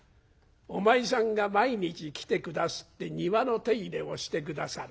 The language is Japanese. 「お前さんが毎日来て下すって庭の手入れをして下さる。